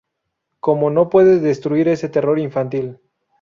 Como no puede destruir ese terror infantil.